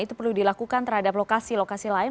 itu perlu dilakukan terhadap lokasi lokasi lain